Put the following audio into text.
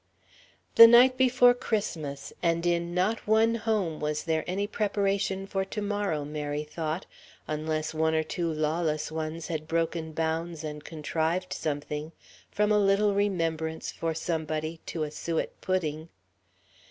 The night before Christmas; and in not one home was there any preparation for to morrow, Mary thought, unless one or two lawless ones had broken bounds and contrived something, from a little remembrance for somebody to a suet pudding.